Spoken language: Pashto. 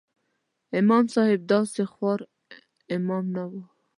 امام صاحب داسې خوار امام نه و.